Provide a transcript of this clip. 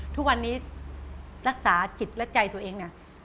ทุกวันนี้รักษาจิตและใจตัวเองเนี่ย